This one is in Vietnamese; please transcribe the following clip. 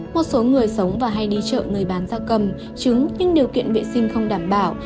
một số người sống và hay đi chợ người bán da cầm trứng nhưng điều kiện vệ sinh không đảm bảo